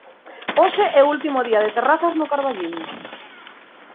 Hoxe é o último día de terrazas no Carballiño.